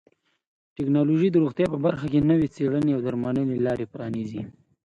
ټکنالوژي د روغتیا په برخه کې نوې څیړنې او درملنې لارې پرانیزي.